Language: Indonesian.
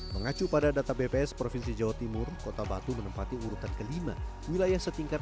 mengacu pada data bps provinsi jawa timur kota batu menempati urutan kelima wilayah setingkat